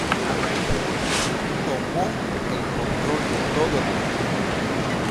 A raíz de Volterra tomó el control de todo el territorio.